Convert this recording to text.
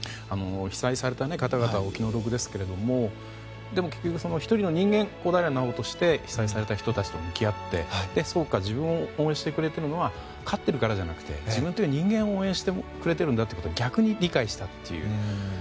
被災された方々はお気の毒ですけれどもでも、結局１人の人間小平奈緒として被災された人たちと向き合ってそうか、自分を応援してくれているのは勝っているからじゃなくて自分という人間を応援してくれてるんだと逆に理解したという。